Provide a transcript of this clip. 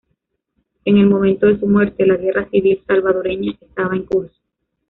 En el momento de su muerte, la guerra civil salvadoreña estaba en curso.